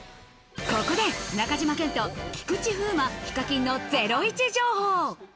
ここで中島健人、菊池風磨、ＨＩＫＡＫＩＮのゼロイチ情報。